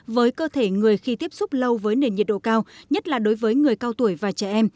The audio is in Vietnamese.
với cơ thể người khi tiếp xúc lâu với nền nhiệt độ cao nhất là đối với người cao tuổi và trẻ em